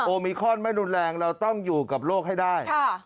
มิคอนไม่รุนแรงเราต้องอยู่กับโลกให้ได้